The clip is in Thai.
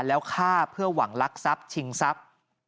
แล้วฆ่าเพื่อหวังลักทรัพย์ชิงทรัพย์